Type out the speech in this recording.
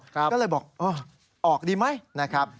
ก็เลยบอกเออออกดีไหมนะครับ